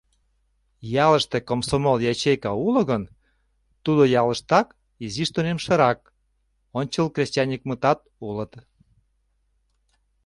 Ялыште комсомол ячейка уло гын, тудо ялыштак изиш тунемшырак, ончыл кресаньыкмытат улыт.